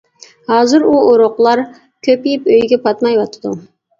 ھازىر ئۇ ئۇرۇقلار كۆپىيىپ ئۆيگە پاتمايۋاتىدۇ.